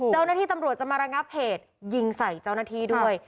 เจ้าหน้าที่ตำรวจจะมาระงับเหตุยิงใส่เจ้าหน้าที่ด้วย